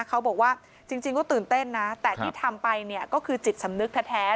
เขาบอกว่าจริงก็ตื่นเต้นนะแต่ที่ทำไปเนี่ยก็คือจิตสำนึกแท้